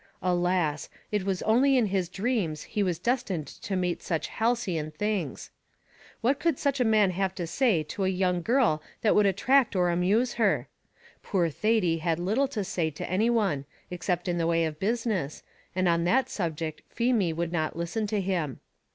Alas! it was only in his dreams he was destined to meet such halcyon things. What could such a man have to say to a young girl that would attract or amuse her? Poor Thady had little to say to any one, except in the way of business, and on that subject Feemy would not listen to him.